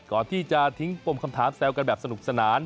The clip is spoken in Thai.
ก่อนที่จะทิ้งปมคำถามแซวกันแบบสนุกสนาน